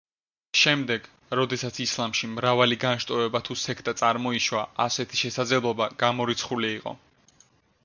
შემდეგ, როდესაც ისლამში მრავალი განშტოება თუ სექტა წარმოიშვა, ასეთი შესაძლებლობა გამორიცხული იყო.